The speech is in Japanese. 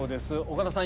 岡田さん